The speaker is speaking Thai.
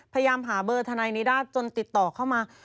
พยายามหาเบอร์ทนายนิด้าจนติดต่อเข้ามา